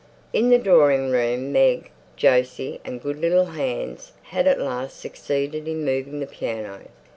In the drawing room Meg, Jose and good little Hans had at last succeeded in moving the piano.